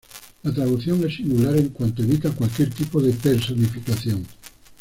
La traducción es singular en cuanto evita cualquier tipo de personificación.